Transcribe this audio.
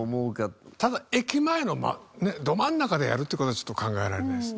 ただ駅前のど真ん中でやるって事はちょっと考えられないです。